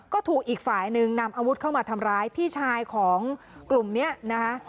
ก็ถูกอีกฝ่ายหนึ่งนำอาวุธเข้ามาทำร้ายพี่ชายของกลุ่มนี้นะคะ